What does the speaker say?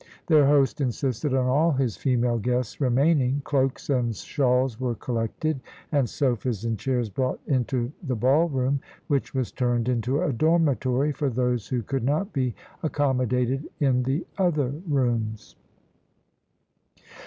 Their host insisted on all his female guests remaining. Cloaks and shawls were collected, and sofas and chairs brought into the ball room, which was turned into a dormitory for those who could not be accommodated in the other rooms.